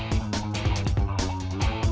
tidak ada yang bisa dikunci